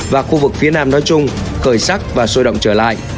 và khu vực phía nam nói chung khởi sắc và sôi động trở lại